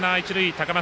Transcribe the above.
高松